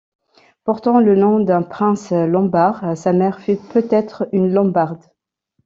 Portant le nom d'un prince lombard, sa mère fut peut-être une Lombarde.